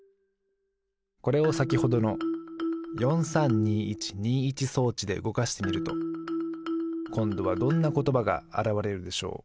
これをさきほどの４３２１２１装置でうごかしてみるとこんどはどんなことばがあらわれるでしょう？